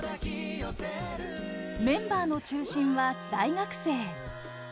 メンバーの中心は大学生。